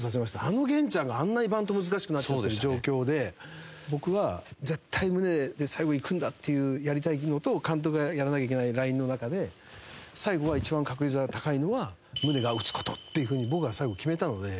あの源ちゃんがあんなにバント難しくなってる状況で僕は絶対ムネで最後いくんだっていうやりたい気持ちと監督がやらなきゃいけないラインの中で最後は一番確率が高いのはムネが打つ事っていう風に僕は最後決めたので。